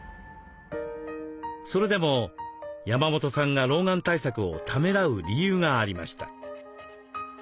それでも山本さんが老眼対策をためらう理由がありました。